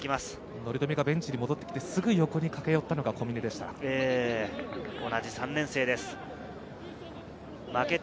乗冨がベンチに戻ってきてすぐ駆け寄ったのが小峰でした。